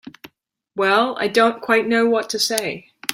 Well—I don't quite know what to say.